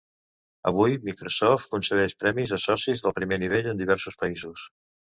Avui, Microsoft concedeix premis a socis de primer nivell en diversos països.